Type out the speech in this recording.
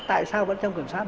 tại sao vẫn trong kiểm soát